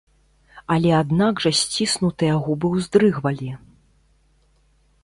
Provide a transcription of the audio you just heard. Але аднак жа сціснутыя губы ўздрыгвалі.